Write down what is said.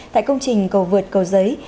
tại công trình cầu vượt cầu giấy